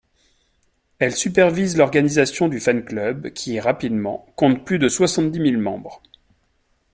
Elle supervise l'organisation du fan-club qui, rapidement, compte plus de soixante-dix mille membres.